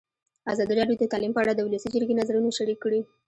ازادي راډیو د تعلیم په اړه د ولسي جرګې نظرونه شریک کړي.